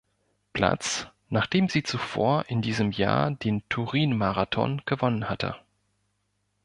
Platz, nachdem sie zuvor in diesem Jahr den Turin-Marathon gewonnen hatte.